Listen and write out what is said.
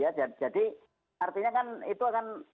sebenarnya kan itu akan